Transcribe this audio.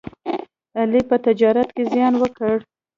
علي په تجارت کې زیان وکړ.